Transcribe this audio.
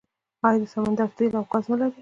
آیا دا سمندر تیل او ګاز نلري؟